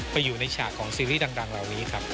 ไปอยู่ในฉากของซีรีส์ดังเหล่านี้ครับ